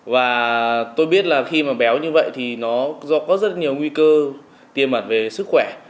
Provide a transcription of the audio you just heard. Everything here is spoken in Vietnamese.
và tôi biết là khi mà béo như vậy thì nó do có rất nhiều nguy cơ tiềm ẩn về sức khỏe